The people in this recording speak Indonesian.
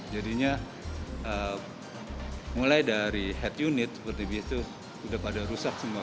jadinya mulai dari head unit seperti biasa sudah pada rusak semua